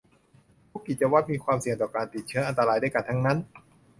ทุกกิจวัตรมีความเสี่ยงต่อการติดเชื้ออันตรายด้วยกันทั้งนั้น